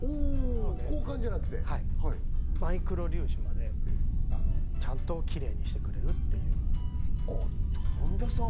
交換じゃなくてはいマイクロ粒子までちゃんときれいにしてくれるっていう本田さん